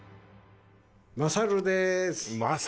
まさるですっ